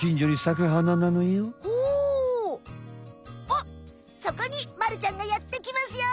あっそこにまるちゃんがやってきますよ。